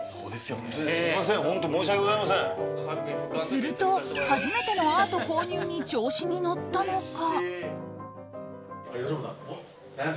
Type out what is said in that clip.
すると初めてのアート購入に調子に乗ったのか。